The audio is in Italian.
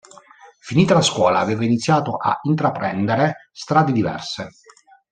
Finita la scuola aveva iniziato a intraprendere strade diverse.